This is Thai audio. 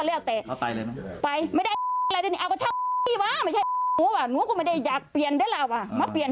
เร็วเข้า